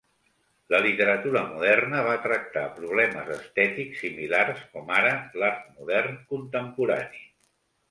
La literatura moderna va tractar problemes estètics similars, com ara l'art modern contemporani.